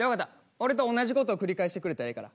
俺とおんなじことを繰り返してくれたらええから。